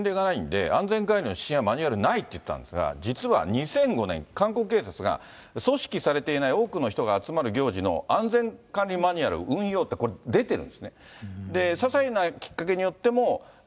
主催者がないイベントはほとんど前例がないので、安全管理の指針やマニュアルはないっていったんですが、実は２００５年、韓国警察が組織されていない多くの人が集まる行事の安全管理マニュアル運用って、これ、出てるんですね。